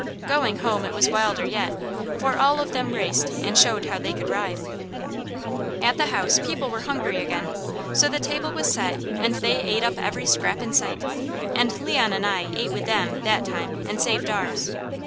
Going home it was wilder yet, for all of them raced and showed how they could ride. At the house people were hungry again, so the table was set and they ate up every scrap in sight, and Leon and I ate with them that time and saved ours.